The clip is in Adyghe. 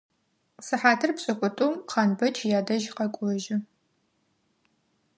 Сыхьатыр пшӏыкӏутӏум Хъанбэч ядэжь къэкӏожьы.